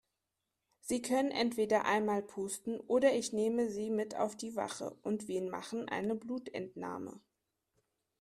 Sie können entweder einmal pusten oder ich nehme Sie mit auf die Wache und wir machen eine Blutentnahme.